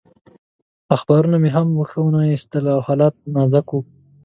اخبارونه مې هم ښه ونه ایسېدل او حالت نازک و.